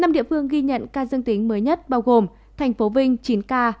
năm địa phương ghi nhận ca dương tính mới nhất bao gồm thành phố vinh chín ca